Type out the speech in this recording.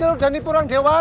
ternyata bukan usaha